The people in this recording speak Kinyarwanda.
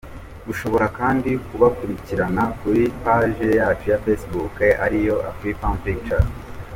Ushobora kandi kubakurikirana kuri Paji ya Facebook ariyo:Afrifame Pictures.